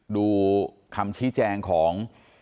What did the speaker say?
ดูคำชี้แจงของ